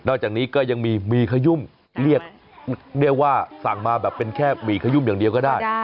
จากนี้ก็ยังมีหมีขยุ่มเรียกว่าสั่งมาแบบเป็นแค่หมี่ขยุ่มอย่างเดียวก็ได้